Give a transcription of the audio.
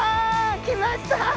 きました！